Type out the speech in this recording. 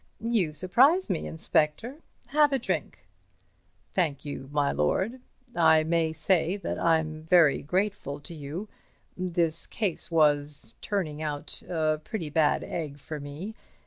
"You surprise me, Inspector. Have a drink." "Thank you, my lord. I may say that I'm very grateful to you—this case was turning out a pretty bad egg for me.